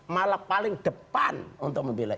malah paling depan untuk membela